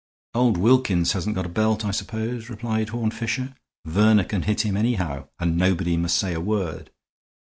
"Old Wilkins hasn't got a belt, I suppose," replied Horne Fisher. "Verner can hit him anyhow, and nobody must say a word.